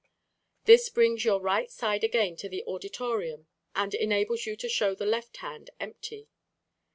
This brings your right side again to the auditorium and enables you to show the left hand empty.